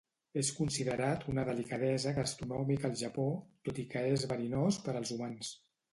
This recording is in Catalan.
És considerat una delicadesa gastronòmica al Japó, tot i que és verinós per als humans.